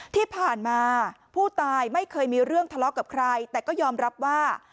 ที่ผ่านมาผู้ตายไม่เคยมีเรื่องทะเลาะกับใครแต่ก็ยอมรับว่า